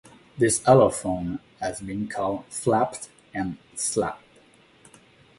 This allophone has been called "flapped" and "slapped".